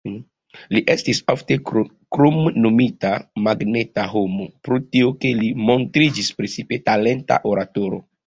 Li estis ofte kromnomita "magneta homo" pro tio, ke li montriĝis precipe talenta oratoro.